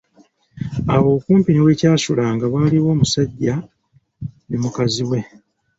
Awo okumpi ne wekyasulanga waaliwo omusajja ne mukaziwe.